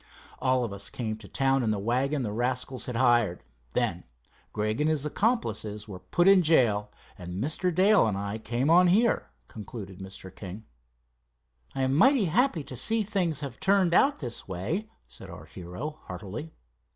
"All of us came to town in the wagon the rascals had hired. Then Gregg and his accomplices were put in jail, and Mr. Dale and I came on here," concluded Mr. King. "I am mighty happy to see things have turned out this way," said our hero, heartily.